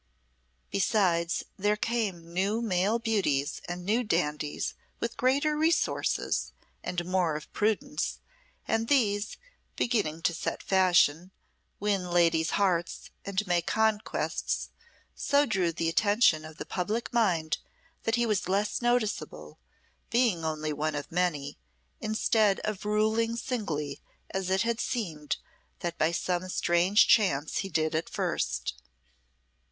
Besides, there came new male beauties and new dandies with greater resources and more of prudence, and these, beginning to set fashion, win ladies' hearts, and make conquests, so drew the attention of the public mind that he was less noticeable, being only one of many, instead of ruling singly as it had seemed that by some strange chance he did at first.